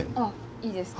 いいですか。